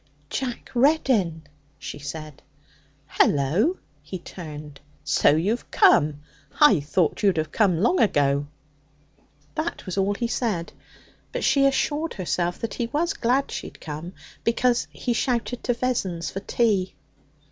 'Jack Reddin!' she said. 'Hullo!' He turned. 'So you've come? I thought you'd have come long ago.' That was all he said. But she assured herself that he was glad she had come, because he shouted to Vessons for tea.